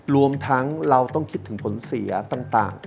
รวมทั้งเราต้องคิดถึงผลเสียต่าง